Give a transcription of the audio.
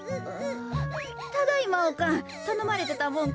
ただいまおかんたのまれてたもん